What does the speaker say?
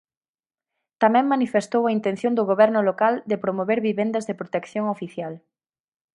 Tamén manifestou a intención do goberno local de promover vivendas de protección oficial.